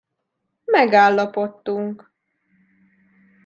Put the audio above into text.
Megállapodtunk.